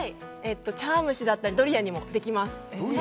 茶わん蒸しだったりドリアにもできます。